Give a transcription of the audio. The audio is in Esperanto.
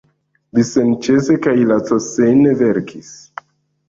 Li senĉese kaj lacosene verkis.